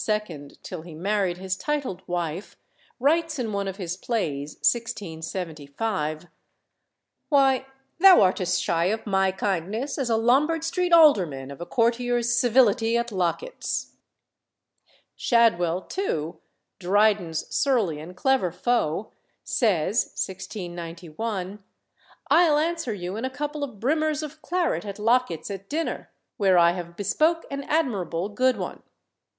till he married his titled wife, writes in one of his plays (1675), "Why, thou art as shy of my kindness as a Lombard Street alderman of a courtier's civility at Locket's." Shadwell too, Dryden's surly and clever foe, says (1691), "I'll answer you in a couple of brimmers of claret at Locket's at dinner, where I have bespoke an admirable good one."